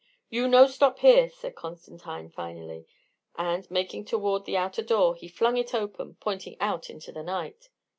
"You no stop here," said Constantine, finally; and, making toward the outer door, he flung it open, pointing out into the night.